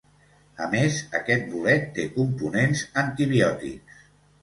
A més aquest bolet té components antibiòtics.